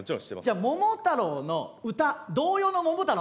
じゃあ「桃太郎」の歌童謡の「桃太郎」